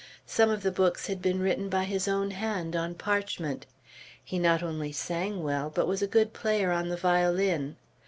Some of the books had been written by his own hand, on parchment. He not only sang well, but was a good player on the violin.